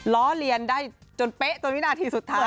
ล้อเลียนได้จนเป๊ะจนวินาทีสุดท้าย